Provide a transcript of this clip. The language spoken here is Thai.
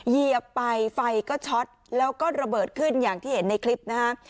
เหยียบไปไฟก็ช็อตแล้วก็ระเบิดขึ้นอย่างที่เห็นในคลิปนะฮะ